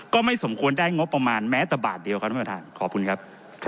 ก็ไม่สมควรได้งบประมาณแม้แต่บาทเดียวครับท่านประธานขอบคุณครับ